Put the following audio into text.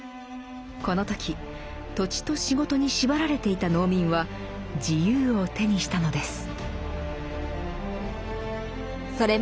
この時土地と仕事に縛られていた農民は「自由」を手にしたのです。